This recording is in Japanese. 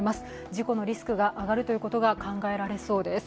事故のリスクが上がることが考えられそうです。